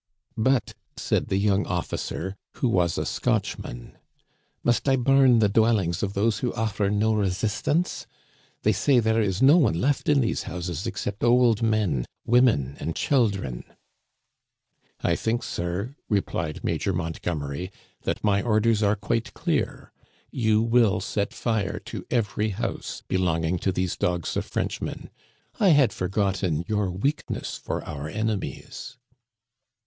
" But,*' said the young officer, who was a Scotchman, "must I burn the dwellings of those who offer no resist ance ? They say there is no one left in these houses except old men, women, and children." " I think, sir," replied Major Montgomery, " that my orders are quite clear. You will set fire to every house belonging to these dogs of Frenchmen. I had forgotten your weakness for our enemies."